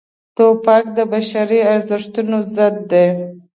توپک د بشري ارزښتونو ضد دی.